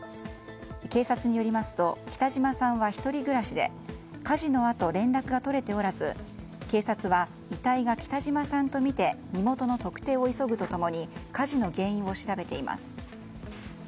警察によりますと北嶌さんは１人暮らしで火事のあと連絡が取れておらず警察は遺体が北嶌さんとみて身元の特定を急ぐと共に火事の原因を調べています。